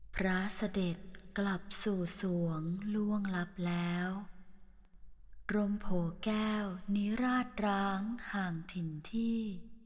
พระเสด็จกลับสู่สวงล่วงลับแล้วกรมโผแก้วนิราชร้างห่างถิ่นที่